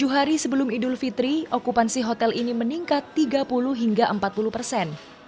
tujuh hari sebelum idul fitri okupansi hotel ini meningkat tiga puluh hingga empat puluh persen